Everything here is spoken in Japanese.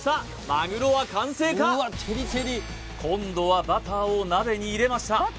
まぐろは完成か今度はバターを鍋に入れました